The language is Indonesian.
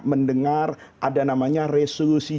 mendengar ada namanya resolusi